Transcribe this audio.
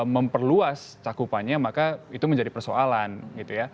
memperluas cakupannya maka itu menjadi persoalan gitu ya